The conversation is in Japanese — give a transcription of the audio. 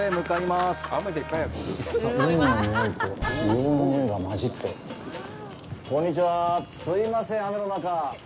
すいません、雨の中。